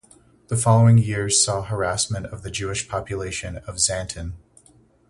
The following years saw harassment of the Jewish population of Xanten.